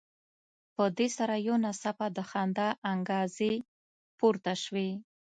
په دې سره یو ناڅاپه د خندا انګازې پورته شوې.